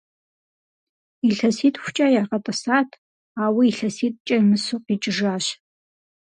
Илъэситхукӏэ ягъэтӏысат, ауэ илъэситӏкӏэ имысу къикӏыжащ.